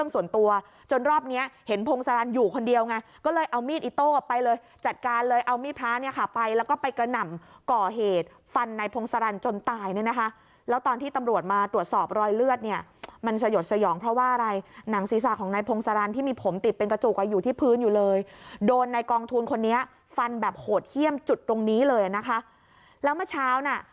ส่วนตัวจนรอบเนี้ยเห็นพงศาลอยู่คนเดียวไงก็เลยเอามีดอิโต้ออกไปเลยจัดการเลยเอามีดพระเนี้ยค่ะไปแล้วก็ไปกระหน่ำก่อเหตุฟันนายพงศาลจนตายเนี้ยนะคะแล้วตอนที่ตำรวจมาตรวจสอบรอยเลือดเนี้ยมันสยดสยองเพราะว่าอะไรหนังศีรษะของนายพงศาลที่มีผมติดเป็นกระจูกอะอยู่ที่พื้นอยู่เลยโดนนายกองทูลคนนี้ฟั